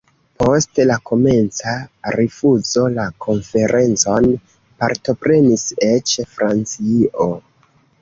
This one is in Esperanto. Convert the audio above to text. Post la komenca rifuzo, la konferencon partoprenis eĉ Francio.